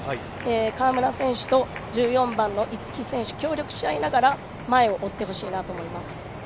川村選手と１４番の逸木選手協力しながら前を追ってほしいなと思います。